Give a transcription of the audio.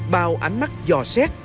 bao ánh mắt dò xét